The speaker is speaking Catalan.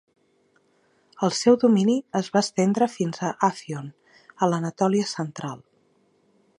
El seu domini es va estendre fins a Afyon, a l'Anatòlia central.